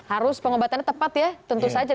harus pengobatannya tepat ya tentu saja